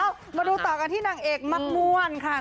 มาดูต่อกันที่นางเอกมักม่วนค่ะ